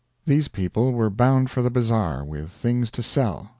These people were bound for the bazar, with things to sell.